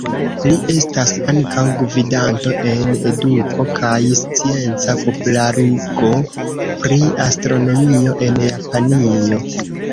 Li estas ankaŭ gvidanto en eduko kaj scienca popularigo pri astronomio en Japanio.